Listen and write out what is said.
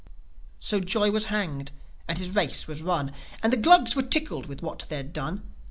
So Joi was hanged, and his race was run, And the Glugs were tickled with what they'd done.